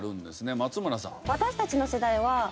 松村さん。